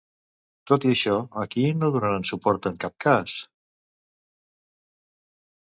Tot i això, a qui no donaran suport en cap cas?